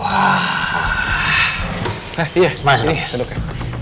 eh iya ini seduknya